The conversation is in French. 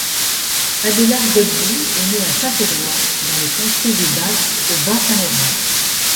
Adélard Godbout est né à Saint-Éloi, dans le comté des Basques au Bas Saint-Laurent.